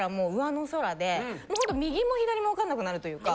ほんと右も左もわかんなくなるというか。